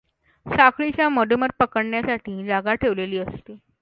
साखळीच्या मधोमध पकडण्यासाठी जागा ठेवलेली असते.